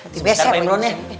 semoga pak imron ya